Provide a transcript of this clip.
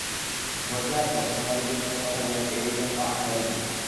Vote দেওয়ার পর সাংবাদিকদের সঙ্গে কথা বলেন এ এইচ এম খায়রুজ্জামান।